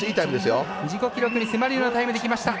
自己記録に迫るようなタイムできました。